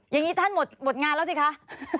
อย่างนี้ท่านหมดงานแล้วสิคะ